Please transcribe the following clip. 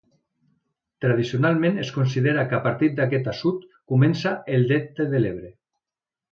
Tradicionalment es considera que a partir d'aquest assut comença el Delta de l'Ebre.